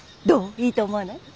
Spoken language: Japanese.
いいと思わない？